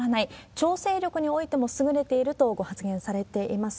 調整力においても優れているとご発言されています。